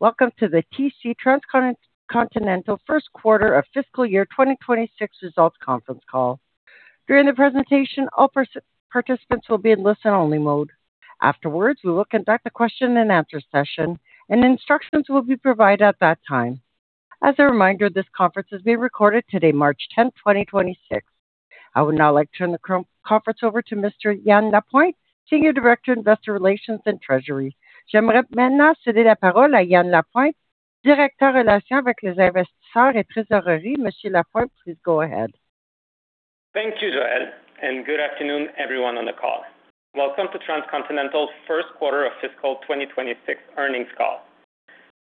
Welcome to the TC Transcontinental first quarter of fiscal year 2026 results conference call. During the presentation, all participants will be in listen-only mode. Afterwards, we will conduct a question and answer session, and instructions will be provided at that time. As a reminder, this conference is being recorded today, March 10th, 2026. I would now like to turn the conference over to Mr. Yan Lapointe, Senior Director, Investor Relations and Treasury. J'aimerais maintenant céder la parole à Yan Lapointe, Directeur, Relations avec les investisseurs et trésorerie. Monsieur Lapointe, please go ahead. Thank you, Joelle, and good afternoon, everyone on the call. Welcome to Transcontinental's first quarter of fiscal 2026 earnings call.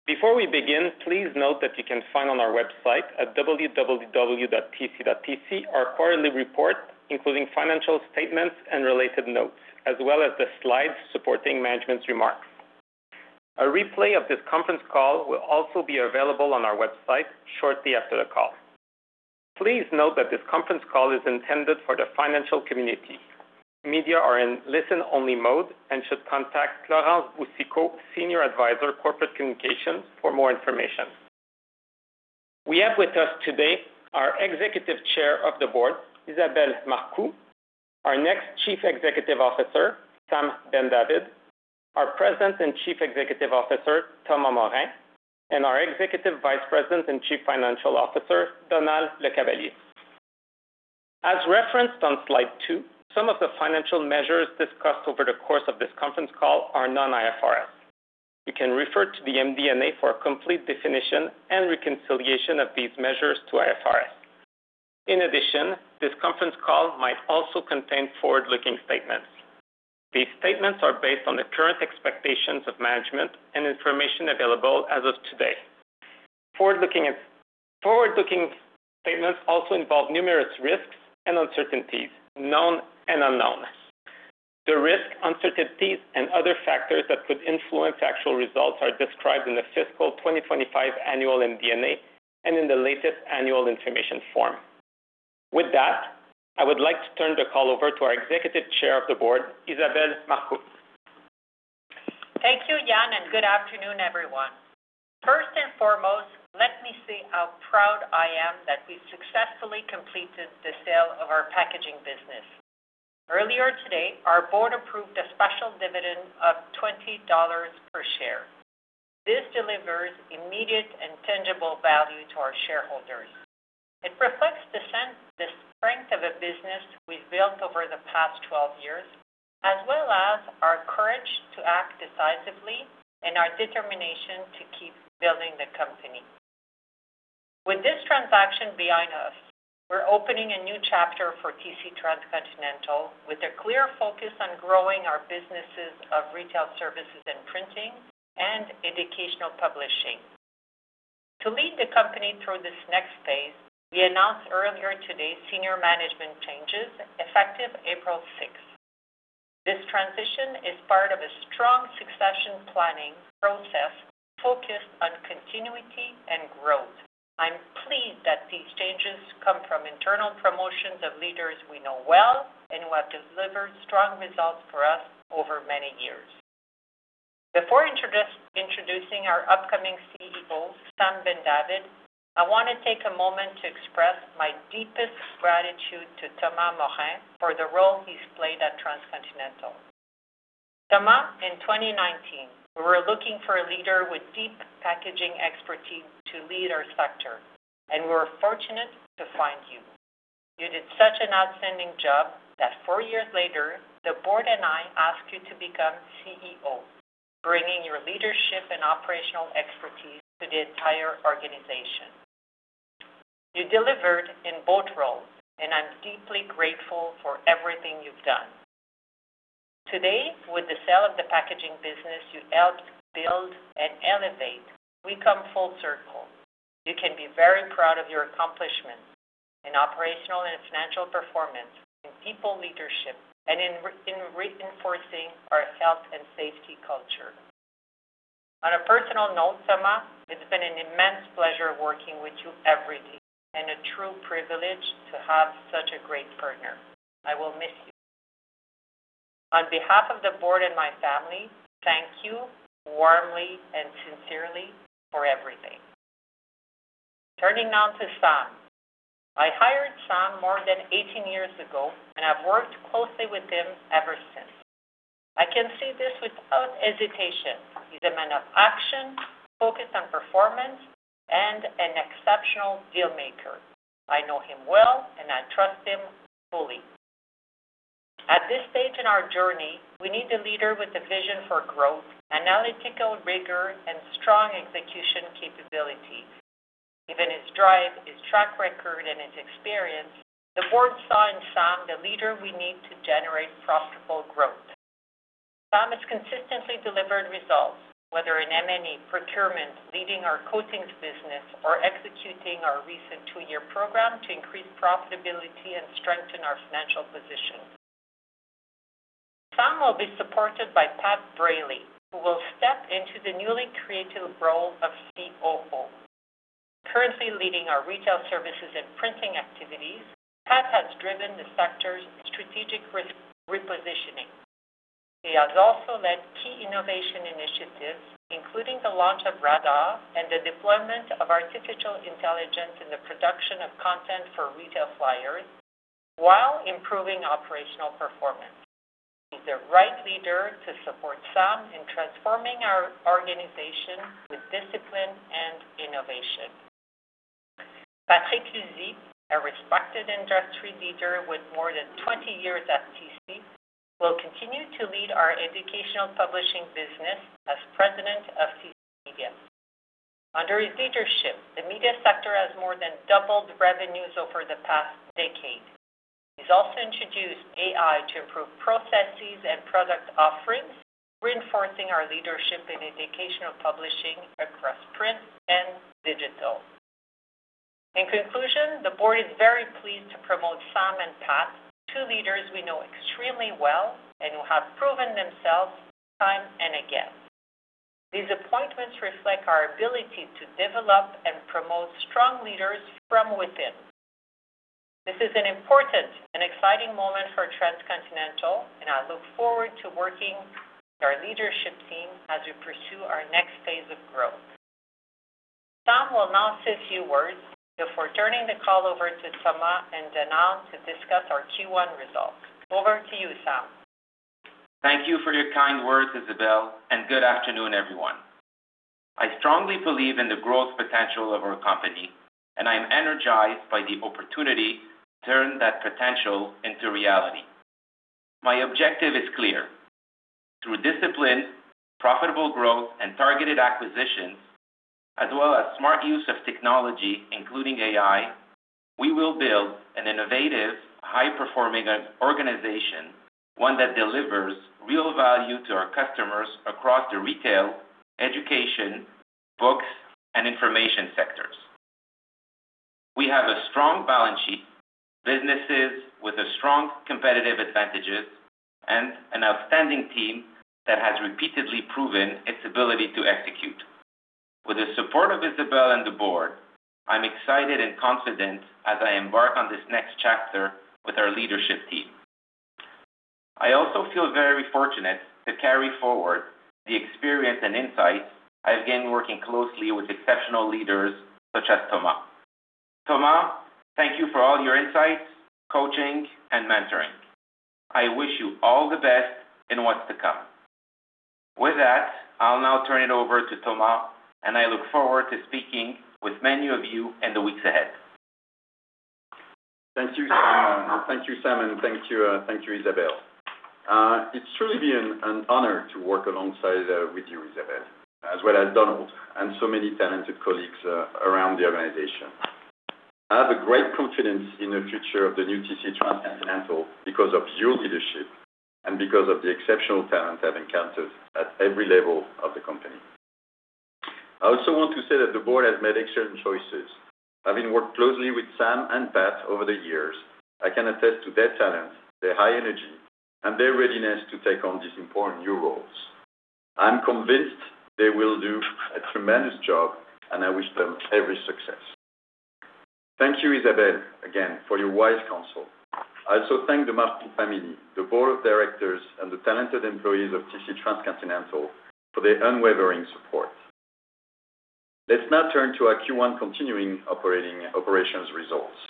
Before we begin, please note that you can find on our website at www.tc.tc our quarterly report, including financial statements and related notes, as well as the slides supporting management's remarks. A replay of this conference call will also be available on our website shortly after the call. Please note that this conference call is intended for the financial community. Media are in listen-only mode and should contact Laurence Boussicot, Senior Advisor, Corporate Communications, for more information. We have with us today our Executive Chair of the Board, Isabelle Marcoux, our next Chief Executive Officer, Sam Bendavid, our President and Chief Executive Officer, Thomas Morin, and our Executive Vice President and Chief Financial Officer, Donald LeCavalier. As referenced on slide two, some of the financial measures discussed over the course of this conference call are non-IFRS. You can refer to the MD&A for a complete definition and reconciliation of these measures to IFRS. In addition, this conference call might also contain forward-looking statements. These statements are based on the current expectations of management and information available as of today. Forward-looking statements also involve numerous risks and uncertainties, known and unknown. The risk, uncertainties, and other factors that could influence actual results are described in the fiscal 2025 annual MD&A and in the latest annual information form. With that, I would like to turn the call over to our Executive Chair of the Board, Isabelle Marcoux. Thank you, Yan, and good afternoon, everyone. First and foremost, let me say how proud I am that we successfully completed the sale of our packaging business. Earlier today, our board approved a special dividend of 20 dollars per share. This delivers immediate and tangible value to our shareholders. It reflects the strength of a business we've built over the past 12 years, as well as our courage to act decisively and our determination to keep building the company. With this transaction behind us, we're opening a new chapter for TC Transcontinental with a clear focus on growing our businesses of retail services and printing and educational publishing. To lead the company through this next phase, we announced earlier today senior management changes effective April 6. This transition is part of a strong succession planning process focused on continuity and growth. I'm pleased that these changes come from internal promotions of leaders we know well and who have delivered strong results for us over many years. Before introducing our upcoming CEO, Sam Bendavid, I wanna take a moment to express my deepest gratitude to Thomas Morin for the role he's played at Transcontinental. Thomas, in 2019, we were looking for a leader with deep packaging expertise to lead our sector, and we were fortunate to find you. You did such an outstanding job that four years later, the board and I asked you to become CEO, bringing your leadership and operational expertise to the entire organization. You delivered in both roles, and I'm deeply grateful for everything you've done. Today, with the sale of the packaging business you helped build and elevate, we come full circle. You can be very proud of your accomplishments in operational and financial performance, in people leadership, and in reinforcing our health and safety culture. On a personal note, Thomas, it's been an immense pleasure working with you every day and a true privilege to have such a great partner. I will miss you. On behalf of the board and my family, thank you warmly and sincerely for everything. Turning now to Sam. I hired Sam more than 18 years ago, and I've worked closely with him ever since. I can say this without hesitation. He's a man of action, focused on performance, and an exceptional deal maker. I know him well, and I trust him fully. At this stage in our journey, we need a leader with a vision for growth, analytical rigor, and strong execution capability. Given his drive, his track record, and his experience, the board saw in Sam the leader we need to generate profitable growth. Sam has consistently delivered results, whether in M&A, procurement, leading our coatings business, or executing our recent two-year program to increase profitability and strengthen our financial position. Sam will be supported by Pat Brayley, who will step into the newly created role of COO. Currently leading our retail services and printing activities, Pat has driven the sector's strategic risk repositioning. He has also led key innovation initiatives, including the launch of raddar and the deployment of artificial intelligence in the production of content for retail flyers while improving operational performance. He's the right leader to support Sam in transforming our organization with discipline and innovation. Patrick Lutzy, a respected industry leader with more than 20 years at TC, will continue to lead our educational publishing business as president of TC Media. Under his leadership, the media sector has more than doubled revenues over the past decade. He's also introduced AI to improve processes and product offerings, reinforcing our leadership in educational publishing across print and digital. In conclusion, the board is very pleased to promote Sam and Pat, two leaders we know extremely well and who have proven themselves time and again. These appointments reflect our ability to develop and promote strong leaders from within. This is an important and exciting moment for Transcontinental, and I look forward to working with our leadership team as we pursue our next phase of growth. Sam will now say a few words before turning the call over to Thomas and Donald to discuss our Q1 results. Over to you, Sam. Thank you for your kind words, Isabelle, and good afternoon, everyone. I strongly believe in the growth potential of our company, and I'm energized by the opportunity to turn that potential into reality. My objective is clear. Through discipline, profitable growth, and targeted acquisitions, as well as smart use of technology, including AI, we will build an innovative, high-performing organization, one that delivers real value to our customers across the retail, education, books, and information sectors. We have a strong balance sheet, businesses with a strong competitive advantages, and an outstanding team that has repeatedly proven its ability to execute. With the support of Isabelle and the board, I'm excited and confident as I embark on this next chapter with our leadership team. I also feel very fortunate to carry forward the experience and insights I've gained working closely with exceptional leaders such as Thomas. Thomas, thank you for all your insights, coaching, and mentoring. I wish you all the best in what's to come. With that, I'll now turn it over to Thomas, and I look forward to speaking with many of you in the weeks ahead. Thank you, Sam. Thank you, Sam, and thank you, Isabelle. It's truly been an honor to work alongside with you, Isabelle, as well as Donald and so many talented colleagues around the organization. I have a great confidence in the future of the new TC Transcontinental because of your leadership and because of the exceptional talent I've encountered at every level of the company. I also want to say that the board has made excellent choices. Having worked closely with Sam and Pat over the years, I can attest to their talents, their high energy, and their readiness to take on these important new roles. I'm convinced they will do a tremendous job, and I wish them every success. Thank you, Isabelle, again, for your wise counsel. I also thank the Marcoux family, the board of directors, and the talented employees of TC Transcontinental for their unwavering support. Let's now turn to our Q1 continuing operations results.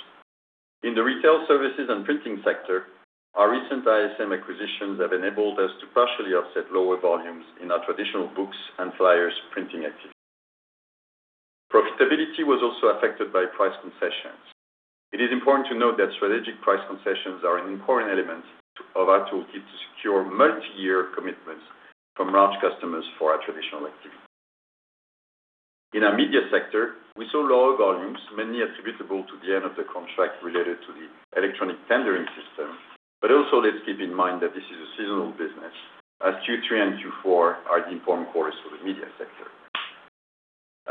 In the retail services and printing sector, our recent ISM acquisitions have enabled us to partially offset lower volumes in our traditional books and flyers printing activity. Profitability was also affected by price concessions. It is important to note that strategic price concessions are an important element of our toolkit to secure multiyear commitments from large customers for our traditional activity. In our media sector, we saw lower volumes, mainly attributable to the end of the contract related to the electronic tendering system. Let's keep in mind that this is a seasonal business, as Q3 and Q4 are the important quarters for the media sector.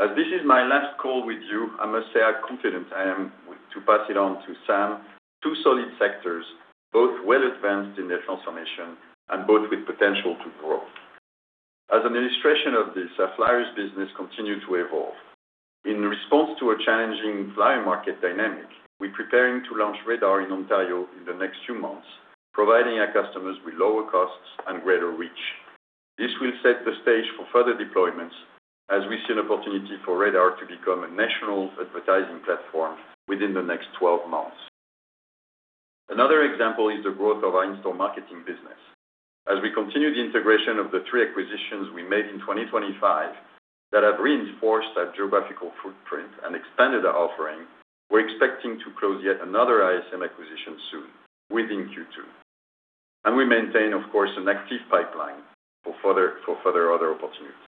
As this is my last call with you, I must say how confident I am to pass it on to Sam, two solid sectors, both well-advanced in their transformation and both with potential to grow. As an illustration of this, our flyers business continued to evolve. In response to a challenging flyer market dynamic, we're preparing to launch raddar in Ontario in the next few months, providing our customers with lower costs and greater reach. This will set the stage for further deployments as we see an opportunity for raddar to become a national advertising platform within the next 12 months. Another example is the growth of our in-store marketing business. As we continue the integration of the three acquisitions we made in 2025 that have reinforced our geographical footprint and expanded our offering, we're expecting to close yet another ISM acquisition soon within Q2. We maintain, of course, an active pipeline for further other opportunities.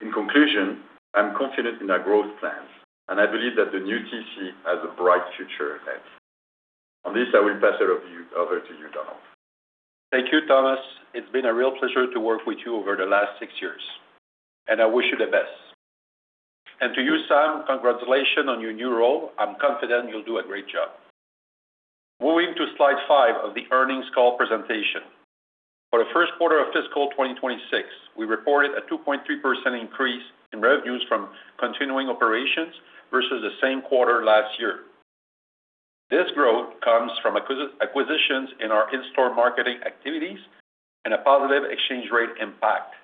In conclusion, I'm confident in our growth plans, and I believe that the new TC has a bright future ahead. On this, I will pass it over to you, Donald. Thank you, Thomas. It's been a real pleasure to work with you over the last six years, and I wish you the best. To you, Sam, congratulations on your new role. I'm confident you'll do a great job. Moving to slide five of the earnings call presentation. For the first quarter of fiscal 2026, we reported a 2.3% increase in revenues from continuing operations versus the same quarter last year. This growth comes from acquisitions in our in-store marketing activities and a positive exchange rate impact.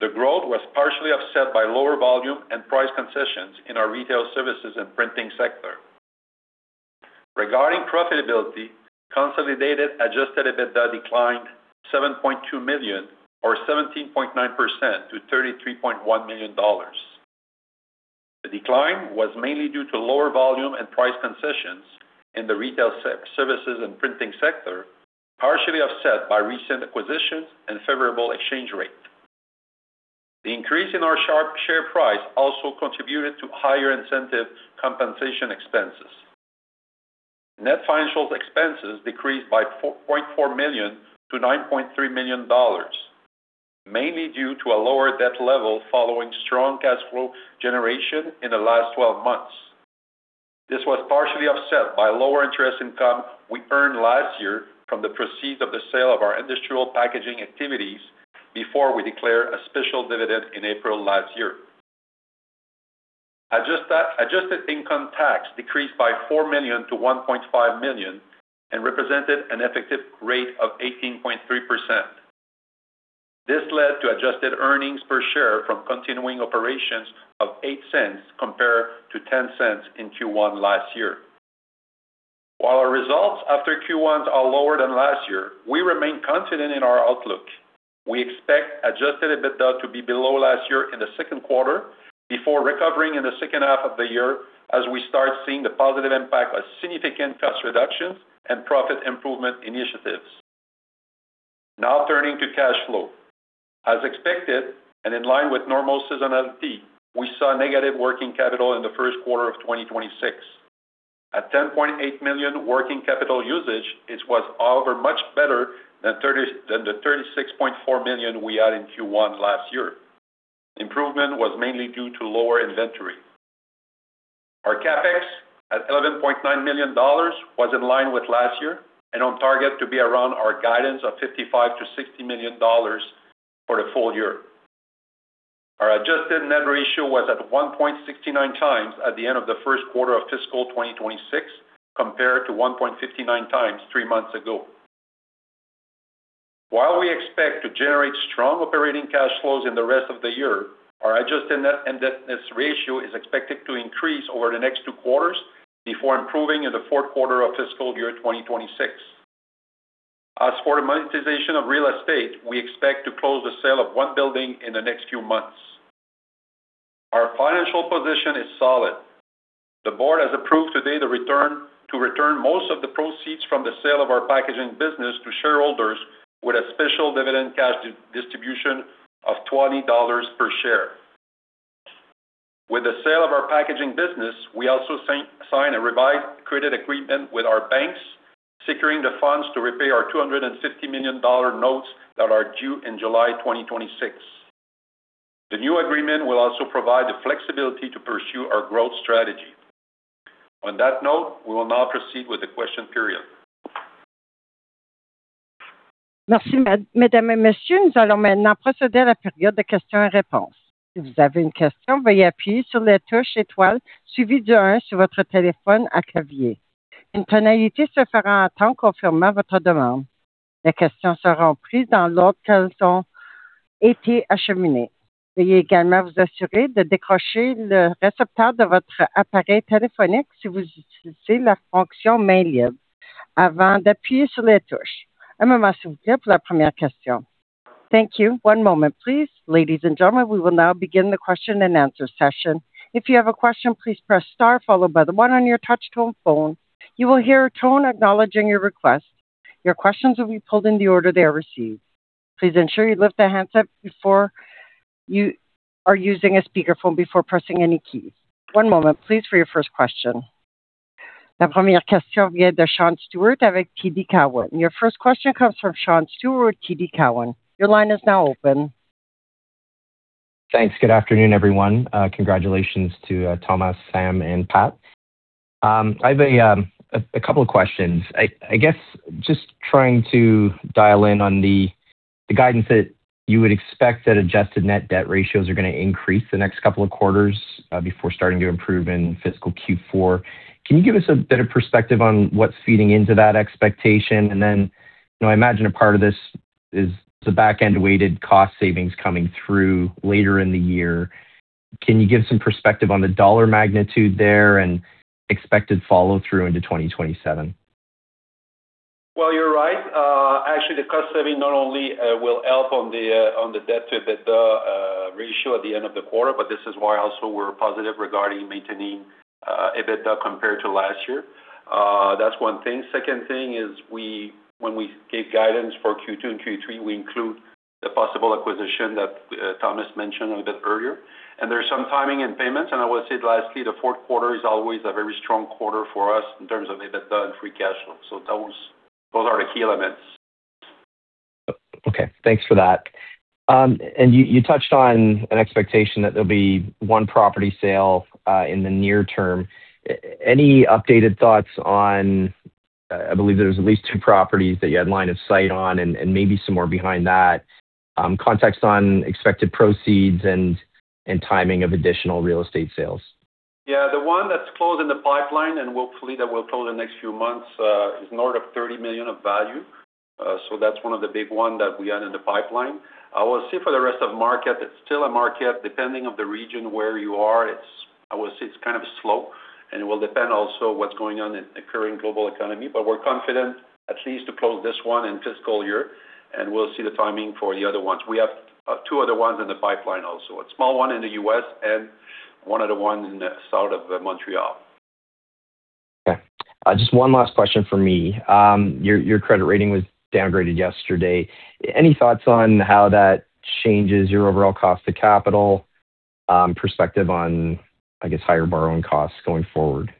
The growth was partially offset by lower volume and price concessions in our retail services and printing sector. Regarding profitability, consolidated adjusted EBITDA declined 7.2 million or 17.9% to 33.1 million dollars. The decline was mainly due to lower volume and price concessions in the retail services and printing sector, partially offset by recent acquisitions and favorable exchange rate. The increase in our share price also contributed to higher incentive compensation expenses. Net financials expenses decreased by CAD 4.4 million-CAD 9.3 million, mainly due to a lower debt level following strong cash flow generation in the last twelve months. This was partially offset by lower interest income we earned last year from the proceeds of the sale of our industrial packaging activities before we declared a special dividend in April last year. Adjusted income tax decreased by 4 million-1.5 million and represented an effective rate of 18.3%. This led to adjusted earnings per share from continuing operations of 0.08 compared to 0.10 in Q1 last year. While our results after Q1s are lower than last year, we remain confident in our outlook. We expect adjusted EBITDA to be below last year in the second quarter before recovering in the second half of the year as we start seeing the positive impact of significant cost reductions and profit improvement initiatives. Now turning to cash flow. As expected and in line with normal seasonality, we saw negative working capital in the first quarter of 2026. At 10.8 million working capital usage, it was, however, much better than the 36.4 million we had in Q1 last year. Improvement was mainly due to lower inventory. Our CapEx at 11.9 million dollars was in line with last year and on target to be around our guidance of 55 million-60 million dollars for the full year. Our adjusted net indebtedness ratio was at 1.69x at the end of the first quarter of fiscal 2026, compared to 1.59x three months ago. While we expect to generate strong operating cash flows in the rest of the year, our adjusted net indebtedness ratio is expected to increase over the next two quarters before improving in the fourth quarter of fiscal 2026. As for the monetization of real estate, we expect to close the sale of one building in the next few months. Our financial position is solid. The board has approved today to return most of the proceeds from the sale of our packaging business to shareholders with a special dividend cash distribution of 20 dollars per share. With the sale of our packaging business, we also sign a revised credit agreement with our banks, securing the funds to repay our 250 million dollar notes that are due in July 2026. The new agreement will also provide the flexibility to pursue our growth strategy. On that note, we will now proceed with the question period. Thank you. One moment, please. Ladies and gentlemen, we will now begin the question and answer session. If you have a question, please press star followed by the one on your touch tone phone. You will hear a tone acknowledging your request. Your questions will be pulled in the order they are received. Please ensure you lift the handset if you are using a speakerphone before pressing any keys. One moment, please, for your first question. Your first question comes from Sean Stewart, TD Cowen. Your line is now open. Thanks. Good afternoon, everyone. Congratulations to Thomas, Sam, and Pat. I have a couple of questions. I guess just trying to dial in on the guidance that you would expect that adjusted net debt ratios are gonna increase the next couple of quarters before starting to improve in fiscal Q4. Can you give us a bit of perspective on what's feeding into that expectation? You know, I imagine a part of this is the back-end weighted cost savings coming through later in the year. Can you give some perspective on the dollar magnitude there and expected follow-through into 2027? Well, you're right. Actually, the cost saving not only will help on the debt-to-EBITDA ratio at the end of the quarter, but this is why also we're positive regarding maintaining EBITDA compared to last year. That's one thing. Second thing is when we gave guidance for Q2 and Q3, we include the possible acquisition that Thomas mentioned a bit earlier. There's some timing in payments. I will say lastly, the fourth quarter is always a very strong quarter for us in terms of EBITDA and free cash flow. Those are the key limits. Okay, thanks for that. You touched on an expectation that there'll be one property sale in the near term. Any updated thoughts on, I believe there was at least two properties that you had line of sight on and maybe some more behind that, context on expected proceeds and timing of additional real estate sales. Yeah. The one that's close in the pipeline and hopefully that will close in the next few months is in order of 30 million of value. So that's one of the big one that we had in the pipeline. I will say for the rest of market, it's still a market. Depending on the region where you are, it's, I will say, it's kind of slow, and it will depend also what's going on in the current global economy. We're confident at least to close this one in fiscal year, and we'll see the timing for the other ones. We have two other ones in the pipeline also. A small one in the U.S. and one other one in the south of Montreal. Okay. Just one last question from me. Your credit rating was downgraded yesterday. Any thoughts on how that changes your overall cost to capital, perspective on, I guess, higher borrowing costs going forward?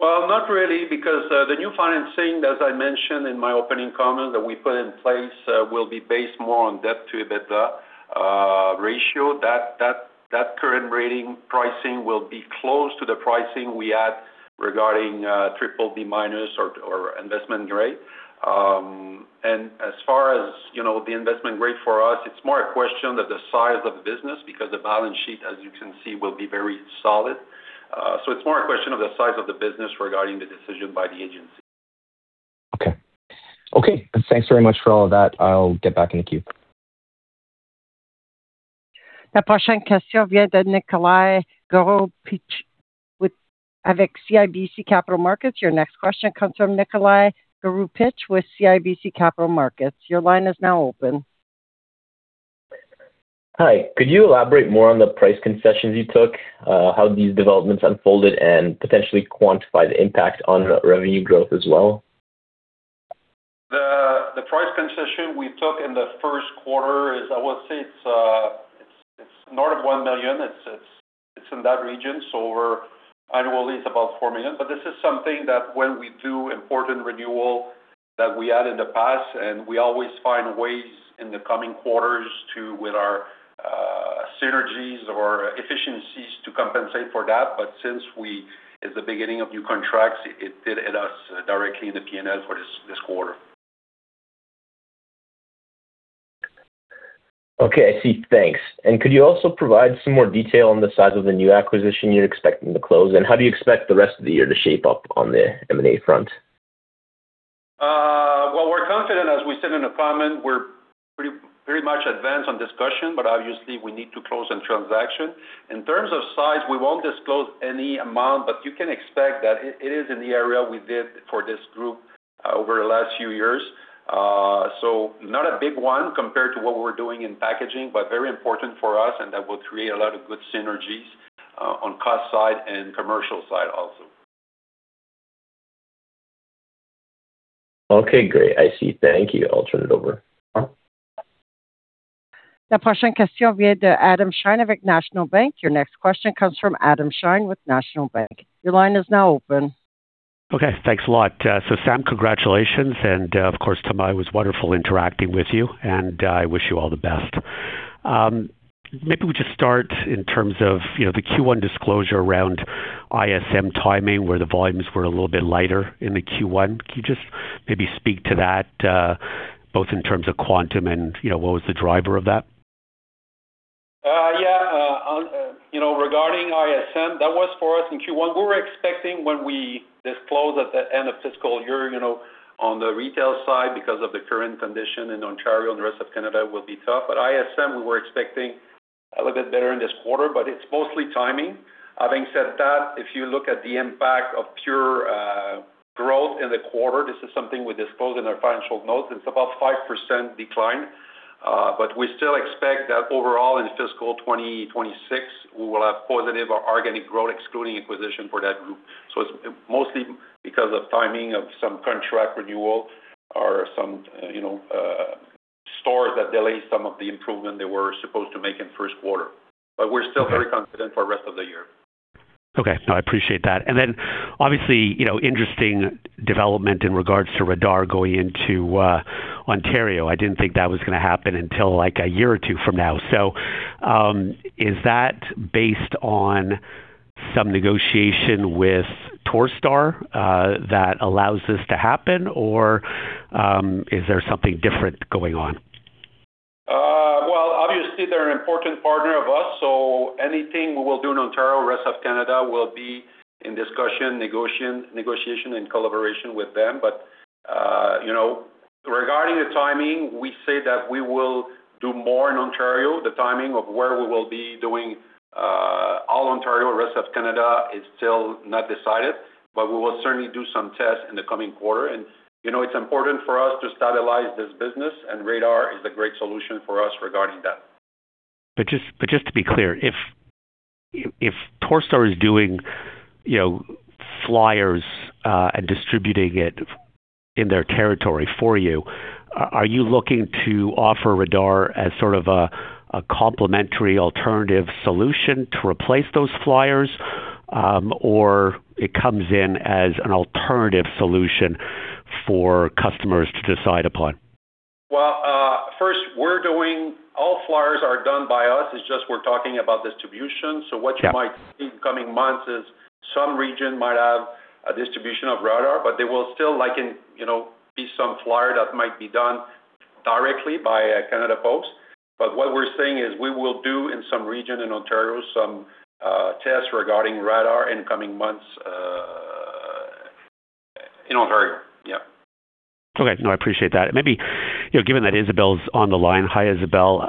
Well, not really because the new financing, as I mentioned in my opening comment that we put in place, will be based more on debt to EBITDA ratio. That current rating pricing will be close to the pricing we had regarding BBB- or investment grade. As far as, you know, the investment grade for us, it's more a question that the size of the business because the balance sheet, as you can see, will be very solid. It's more a question of the size of the business regarding the decision by the agency. Okay. Thanks very much for all of that. I'll get back in the queue. Your next question comes from Nikolai Goroupitch with CIBC Capital Markets. Your line is now open. Hi. Could you elaborate more on the price concessions you took, how these developments unfolded and potentially quantify the impact on revenue growth as well? The price concession we took in the first quarter is, I would say, it's north of 1 million. It's in that region, so we're annually it's about 4 million. This is something that when we do important renewal that we had in the past, and we always find ways in the coming quarters to with our synergies or efficiencies to compensate for that. Since we at the beginning of new contracts, it hit us directly in the P&L for this quarter. Okay. I see. Thanks. Could you also provide some more detail on the size of the new acquisition you're expecting to close? How do you expect the rest of the year to shape up on the M&A front? We're confident, as we said in the comment, we're pretty much advanced on discussion. Obviously, we need to close some transaction. In terms of size, we won't disclose any amount, but you can expect that it is in the area we did for this group, over the last few years. Not a big one compared to what we're doing in packaging, but very important for us, and that will create a lot of good synergies, on cost side and commercial side also. Okay, great. I see. Thank you. I'll turn it over. Adam Shine with National Bank. Your next question comes from Adam Shine with National Bank. Your line is now open. Okay. Thanks a lot. Sam, congratulations. Of course, Thomas, it was wonderful interacting with you, and I wish you all the best. Maybe we just start in terms of, you know, the Q1 disclosure around ISM timing, where the volumes were a little bit lighter in the Q1. Can you just maybe speak to that, both in terms of quantum and, you know, what was the driver of that? You know, regarding ISM, that was for us in Q1. We were expecting when we disclose at the end of fiscal year, you know, on the retail side because of the current condition in Ontario and the rest of Canada will be tough. ISM, we were expecting a little bit better in this quarter, but it's mostly timing. Having said that, if you look at the impact of pure growth in the quarter, this is something we disclose in our financial notes. It's about 5% decline. We still expect that overall in fiscal 2026, we will have positive organic growth, excluding acquisition for that group. It's mostly because of timing of some contract renewal or some, you know, stores that delayed some of the improvement they were supposed to make in first quarter. We're still very confident for the rest of the year. Okay. No, I appreciate that. Then obviously, you know, interesting development in regards to raddar going into Ontario. I didn't think that was gonna happen until, like, a year or two from now. Is that based on some negotiation with Torstar that allows this to happen, or is there something different going on? Well, obviously, they're an important partner of us, so anything we will do in Ontario, rest of Canada will be in discussion, negotiation, in collaboration with them. You know, regarding the timing, we say that we will do more in Ontario. The timing of where we will be doing, all Ontario, rest of Canada is still not decided, but we will certainly do some tests in the coming quarter. You know, it's important for us to stabilize this business, and raddar is a great solution for us regarding that. Just to be clear, if Torstar is doing, you know, flyers and distributing it in their territory for you, are you looking to offer raddar as sort of a complementary alternative solution to replace those flyers? It comes in as an alternative solution for customers to decide upon. Well, all flyers are done by us, it's just we're talking about distribution. Yeah. What you might see in coming months is some region might have a distribution of raddar, but they will still like in, you know, be some flyer that might be done directly by Canada Post. What we're saying is we will do in some region in Ontario some tests regarding raddar in coming months in Ontario. Yeah. Okay. No, I appreciate that. Maybe, you know, given that Isabelle's on the line. Hi, Isabelle.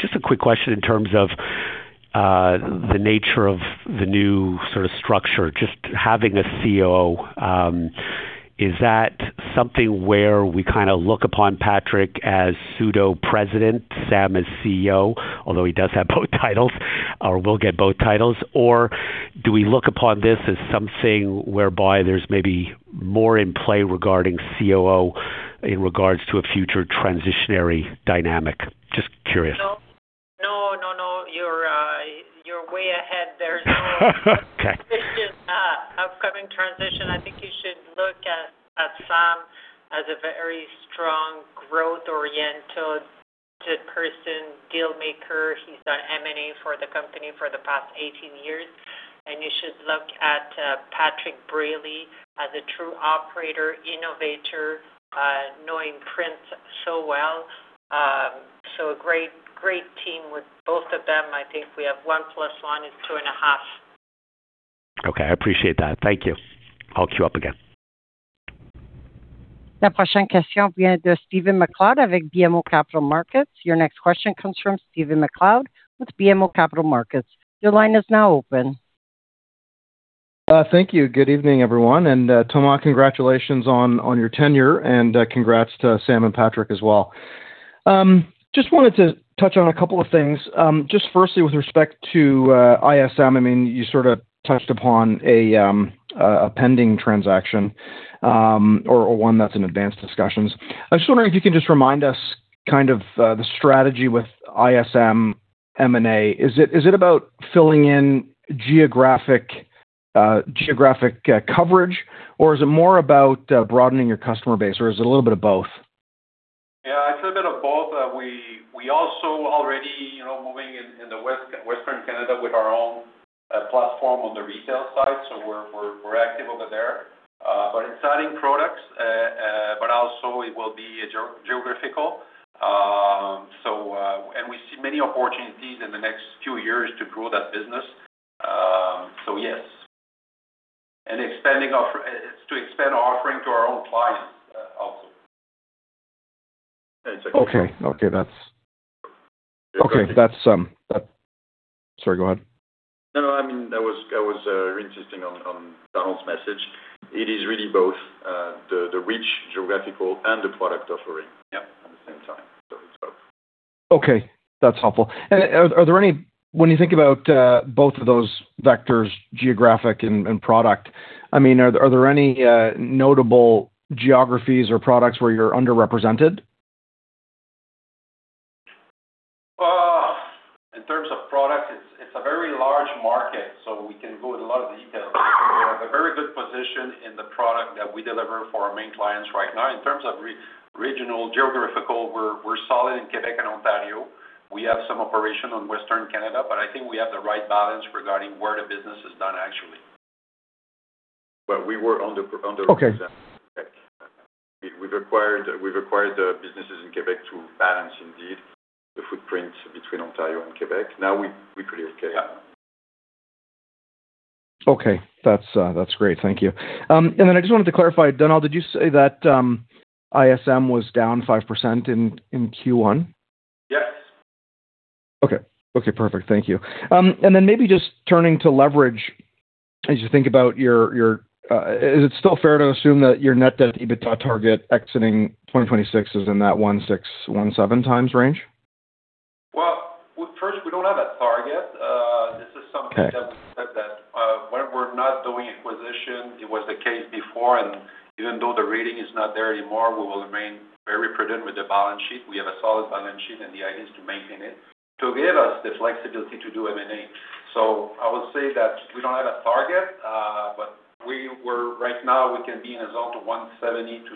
Just a quick question in terms of the nature of the new sort of structure, just having a COO, is that something where we kinda look upon Patrick as pseudo-president, Sam as CEO, although he does have both titles, or will get both titles? Or do we look upon this as something whereby there's maybe more in play regarding COO in regards to a future transitionary dynamic? Just curious. No, no. You're way ahead. There's no Okay. There's just an upcoming transition. I think you should look at Sam as a very strong growth-oriented person, deal maker. He's done M&A for the company for the past 18 years, and you should look at Patrick Brayley as a true operator, innovator, knowing print so well. A great team with both of them. I think we have one plus one is 2.5. Okay. I appreciate that. Thank you. I'll queue up again. Stephen MacLeod with BMO Capital Markets. Your next question comes from Stephen MacLeod with BMO Capital Markets. Your line is now open. Thank you. Good evening, everyone. Thomas, congratulations on your tenure, and congrats to Sam and Patrick as well. Just wanted to touch on a couple of things. Just firstly with respect to ISM, I mean, you sorta touched upon a pending transaction, or one that's in advanced discussions. I was just wondering if you could just remind us kind of the strategy with ISM M&A. Is it about filling in geographic coverage, or is it more about broadening your customer base, or is it a little bit of both? Yeah, it's a little bit of both. We also already, you know, moving in Western Canada with our own platform on the retail side, so we're active over there. But it's adding products, but also it will be geographical. We see many opportunities in the next few years to grow that business. So yes. It's to expand our offering to our own clients, also. Okay. That's Yeah. Sorry, go ahead. No, no. I mean, I was reinsisting on Donald's message. It is really both the geographic reach and the product offering. Yeah. At the same time. It's both. Okay, that's helpful. Are there any? When you think about both of those vectors, geographic and product, I mean, are there any notable geographies or products where you're underrepresented? In terms of product, it's a very large market, so we can go into a lot of detail. We have a very good position in the product that we deliver for our main clients right now. In terms of regional, geographical, we're solid in Quebec and Ontario. We have some operations in Western Canada, but I think we have the right balance regarding where the business is done actually. We were underrepresented in Quebec. Okay. We've acquired the businesses in Quebec to balance indeed the footprint between Ontario and Quebec. We're pretty okay. Yeah. Okay. That's great. Thank you. I just wanted to clarify, Donald, did you say that ISM was down 5% in Q1? Yes. Maybe just turning to leverage, as you think about your. Is it still fair to assume that your net debt EBITDA target exiting 2026 is in that 1.6-1.7x range? Well, first, we don't have a target. This is something. Okay. that we said that, we're not doing acquisition. It was the case before, and even though the rating is not there anymore, we will remain very prudent with the balance sheet. We have a solid balance sheet, and the idea is to maintain it to give us the flexibility to do M&A. I would say that we don't have a target, but we're right now, we can be in the zone of 1.70-2,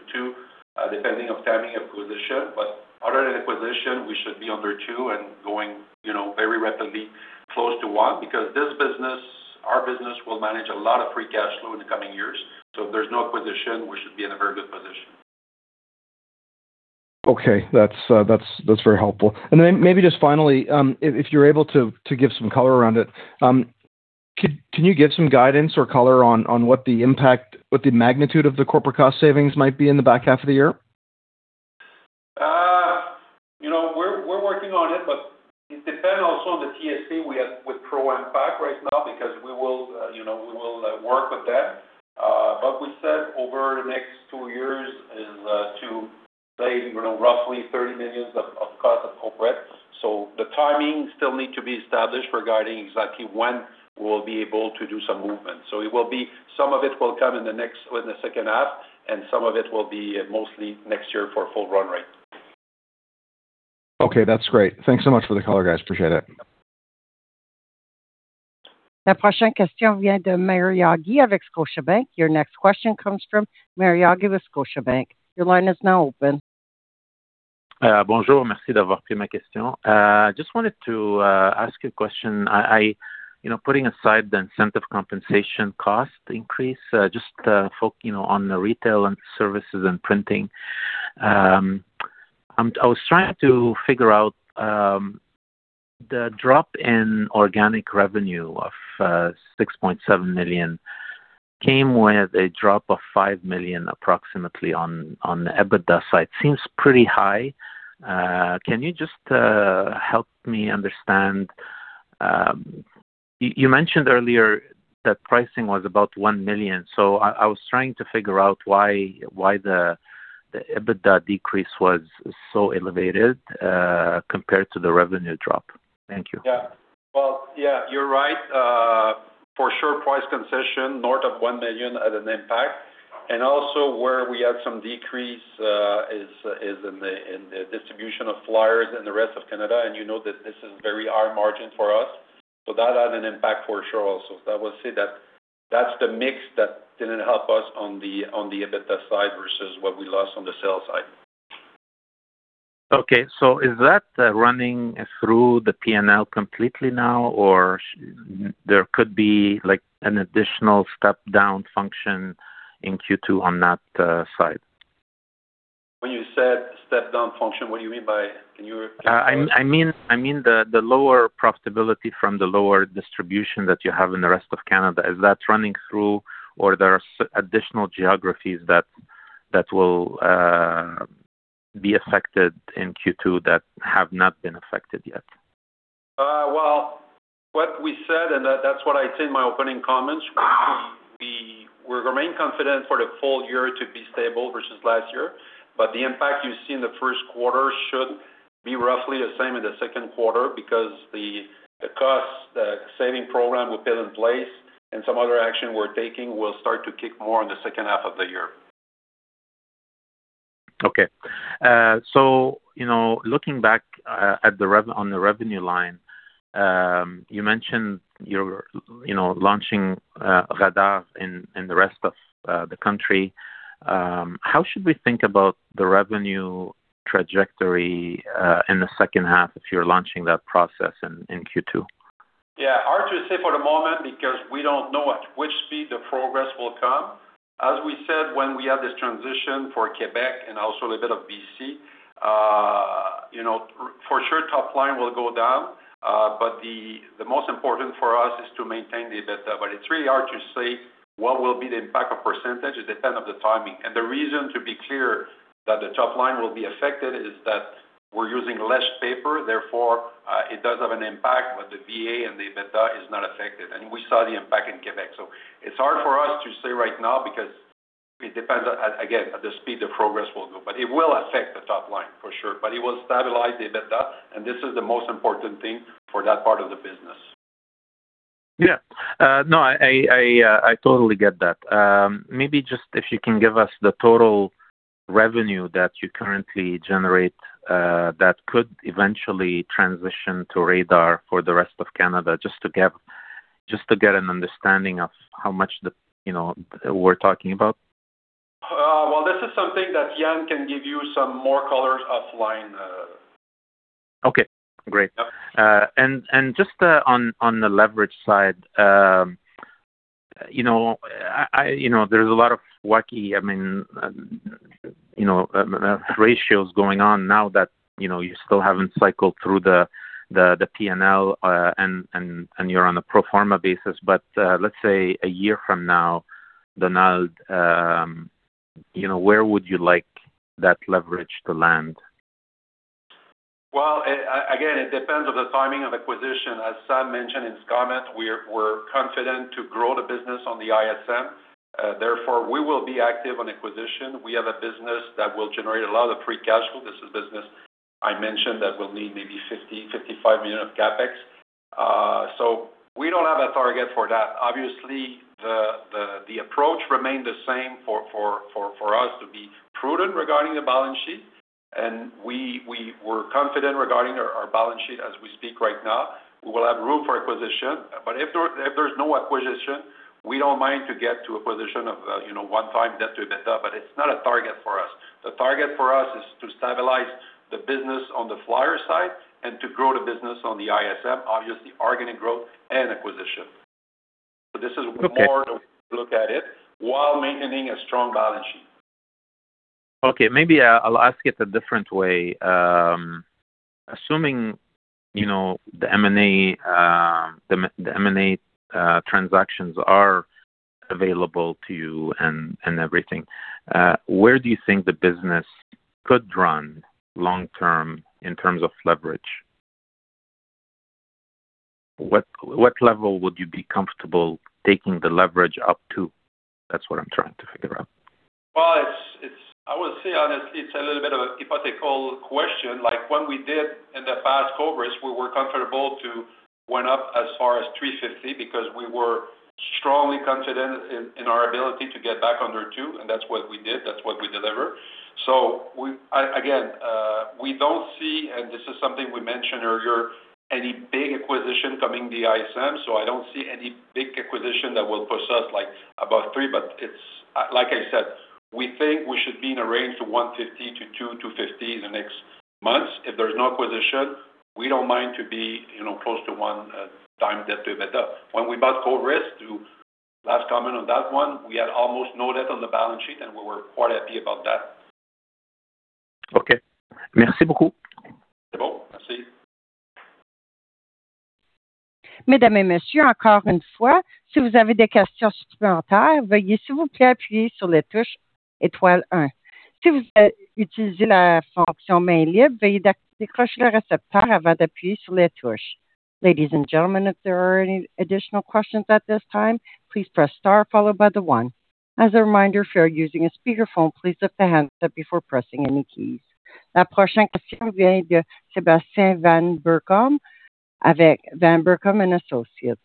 depending on timing of acquisition. But other than acquisition, we should be under two and going, you know, very rapidly close to one because this business, our business will manage a lot of free cash flow in the coming years. If there's no acquisition, we should be in a very good position. Okay. That's very helpful. Maybe just finally, if you're able to give some color around it, can you give some guidance or color on what the magnitude of the corporate cost savings might be in the back half of the year? You know, we're working on it, but it depends also on the TSA we have with ProAmpac right now because we will, you know, we will work with them. We said over the next two years is to save, you know, roughly 30 million of corporate cost. The timing still need to be established regarding exactly when we'll be able to do some movement. Some of it will come in the second half, and some of it will be mostly next year for full run rate. Okay, that's great. Thanks so much for the color, guys. Appreciate it. Your next question comes from Maher Yaghi with Scotiabank. Your line is now open. I just wanted to ask you a question. You know, putting aside the incentive compensation cost increase, just, you know, on the retail and services and printing. I was trying to figure out the drop in organic revenue of 6.7 million came with a drop of 5 million approximately on the EBITDA side. Seems pretty high. Can you just help me understand? You mentioned earlier that pricing was about 1 million. So I was trying to figure out why the EBITDA decrease was so elevated compared to the revenue drop. Thank you. Yeah. Well, yeah, you're right. For sure, price concession north of 1 million as an impact. Also, where we had some decrease is in the distribution of flyers in the rest of Canada. You know that this is very high margin for us. That had an impact for sure also. I will say that that's the mix that didn't help us on the EBITDA side versus what we lost on the sales side. Okay. Is that running through the P&L completely now, or there could be, like, an additional step-down function in Q2 on that side? When you said step-down function, what do you mean by it? I mean the lower profitability from the lower distribution that you have in the rest of Canada. Is that running through or there are additional geographies that will be affected in Q2 that have not been affected yet? Well, what we said, and that's what I said in my opening comments, we remain confident for the full year to be stable versus last year. The impact you see in the first quarter should be roughly the same in the second quarter because the cost saving program we put in place and some other action we're taking will start to kick more in the second half of the year. You know, looking back at the revenue line, you mentioned you're you know launching raddar in the rest of the country. How should we think about the revenue trajectory in the second half if you're launching that process in Q2? Yeah. Hard to say for the moment because we don't know at which speed the progress will come. As we said, when we have this transition for Quebec and also a little bit of BC, you know, for sure, top line will go down. The most important for us is to maintain the EBITDA. It's really hard to say what will be the impact of percentage. It depends on the timing. The reason, to be clear, that the top line will be affected is that we're using less paper, therefore, it does have an impact, but the VA and the EBITDA is not affected. We saw the impact in Quebec. It's hard for us to say right now because it depends, again, at the speed the progress will go. It will affect the top line, for sure. It will stabilize the EBITDA, and this is the most important thing for that part of the business. Yeah. No, I totally get that. Maybe just if you can give us the total revenue that you currently generate that could eventually transition to raddar for the rest of Canada, just to get an understanding of how much, you know, we're talking about. Well, this is something that Yan can give you some more color offline. Okay, great. Yeah. Just on the leverage side, you know, you know, there's a lot of wacky, I mean, you know, ratios going on now that, you know, you still haven't cycled through the P&L and you're on a pro forma basis. Let's say a year from now, Donald, you know, where would you like that leverage to land? Well, again, it depends on the timing of acquisition. As Sam mentioned in his comments, we're confident to grow the business on the ISM. Therefore, we will be active on acquisition. We have a business that will generate a lot of free cash flow. This is the business I mentioned that will need maybe 50-55 million of CapEx. We don't have a target for that. Obviously, the approach remains the same for us to be prudent regarding the balance sheet. We're confident regarding our balance sheet as we speak right now. We will have room for acquisition. If there's no acquisition, we don't mind to get to a position of, you know, 1x debt to EBITDA, but it's not a target for us. The target for us is to stabilize the business on the flyer side and to grow the business on the ISM, obviously, organic growth and acquisition. Okay. More the way to look at it while maintaining a strong balance sheet. Okay, maybe I'll ask it a different way. Assuming, you know, the M&A transactions are available to you and everything, where do you think the business could run long term in terms of leverage? What level would you be comfortable taking the leverage up to? That's what I'm trying to figure out. Well, I would say, honestly, it's a little bit of a hypothetical question. Like, when we did in the past coverage, we were comfortable to go up as far as 3.50 because we were strongly confident in our ability to get back under two, and that's what we did, that's what we deliver. We don't see, and this is something we mentioned earlier, any big acquisition coming the ISM, so I don't see any big acquisition that will push us like above three. It's, like I said, we think we should be in a range of 1.50-2.50 in the next months. If there's no acquisition, we don't mind to be, you know, close to 1x debt to EBITDA. When we bought Coveris, the last comment on that one, we had almost no debt on the balance sheet, and we were quite happy about that. Okay. Merci beaucoup. Merci. Ladies and gentlemen, if there are any additional questions at this time, please press star followed by the one. As a reminder, if you are using a speakerphone, please lift the handset up before pressing any keys. J. Sebastian van Berkom with Van Berkom and Associates.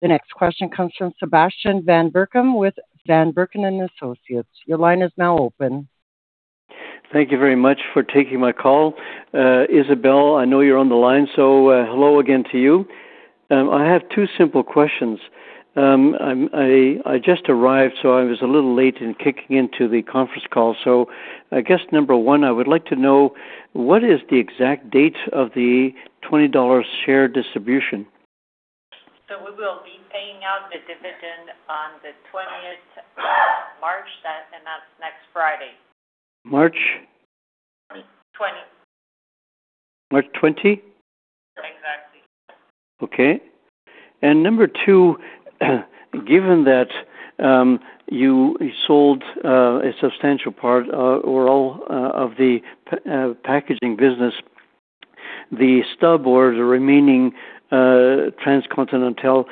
The next question comes from J. Sebastian van Berkom with Van Berkom and Associates. Your line is now open. Thank you very much for taking my call. Isabelle, I know you're on the line, so hello again to you. I have two simple questions. I just arrived, so I was a little late in kicking into the conference call. I guess number one, I would like to know what is the exact date of the 20 dollars share distribution? We will be paying out the dividend on the 20th of March, and that's next Friday. March? 20. March 20? Exactly. Okay. Number two, given that you sold a substantial part or all of the packaging business, the stub or the remaining Transcontinental,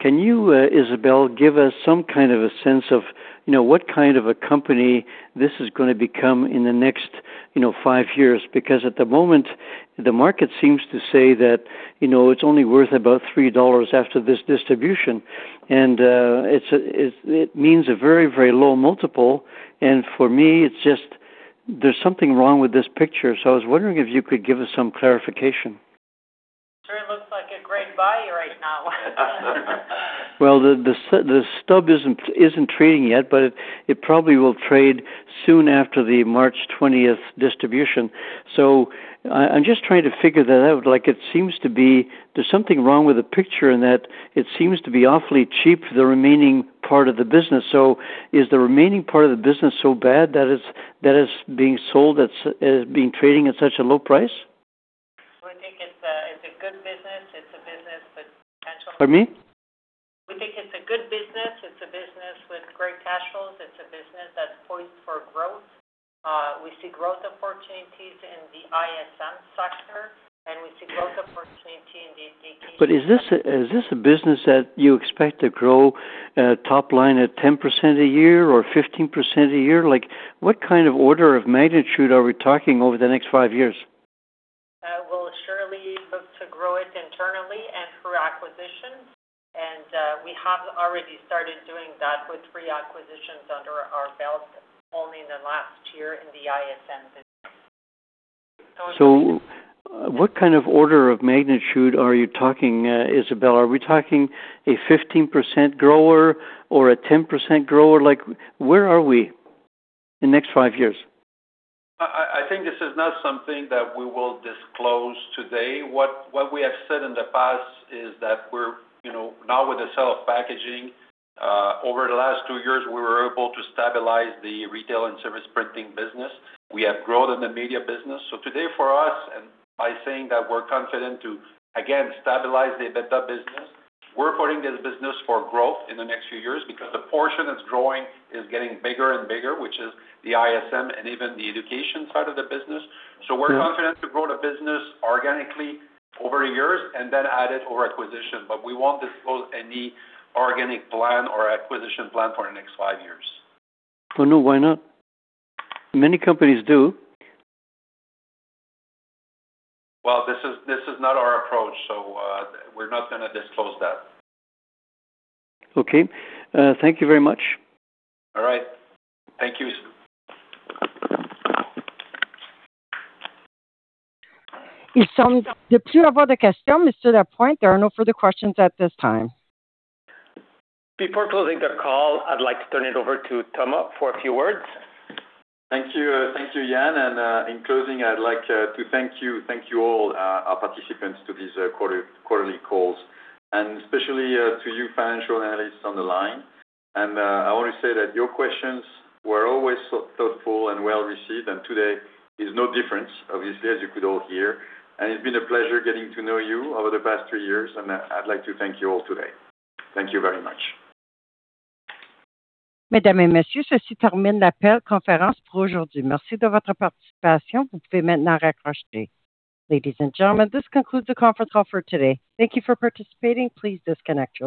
can you, Isabelle, give us some kind of a sense of, you know, what kind of a company this is gonna become in the next, you know, five years? Because at the moment, the market seems to say that, you know, it's only worth about 3 dollars after this distribution. It means a very, very low multiple. For me, it's just there's something wrong with this picture. I was wondering if you could give us some clarification. Sure looks like a great buy right now. The stub isn't trading yet, but it probably will trade soon after the March 20th distribution. I'm just trying to figure that out. Like, it seems to be there's something wrong with the picture and that it seems to be awfully cheap, the remaining part of the business. Is the remaining part of the business so bad that it's being sold, it's being traded at such a low price? We think it's a good business. It's a business with potential. Pardon me. We think it's a good business. It's a business with great cash flows. It's a business that's poised for growth. We see growth opportunities in the ISM sector, and we see growth opportunity in these. Is this a business that you expect to grow top line at 10% a year or 15% a year? Like, what kind of order of magnitude are we talking over the next five years? We'll surely look to grow it internally and through acquisitions. We have already started doing that with three acquisitions under our belt only in the last year in the ISM business. What kind of order of magnitude are you talking, Isabelle? Are we talking a 15% grower or a 10% grower? Like, where are we in the next five years? I think this is not something that we will disclose today. What we have said in the past is that we're, you know, now with the sale of packaging, over the last two years, we were able to stabilize the retail and service printing business. We have growth in the media business. Today for us, and by saying that we're confident to again stabilize the EBITDA business, we're putting this business for growth in the next few years because the portion that's growing is getting bigger and bigger, which is the ISM and even the education side of the business. We're confident to grow the business organically over years and then add it over acquisition. We won't disclose any organic plan or acquisition plan for the next five years. Oh, no, why not? Many companies do. Well, this is not our approach, so we're not gonna disclose that. Okay. Thank you very much. All right. Thank you. There are no further questions at this time. Before closing the call, I'd like to turn it over to Thomas for a few words. Thank you. Thank you, Yan. In closing, I'd like to thank you all, our participants to these quarterly calls, and especially to you financial analysts on the line. I want to say that your questions were always so thoughtful and well-received, and today is no different, obviously, as you could all hear. It's been a pleasure getting to know you over the past two years, and I'd like to thank you all today. Thank you very much. Ladies and gentlemen, this concludes the conference call for today. Thank you for participating. Please disconnect your lines.